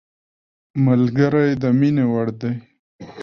ملګری د مینې وړ دی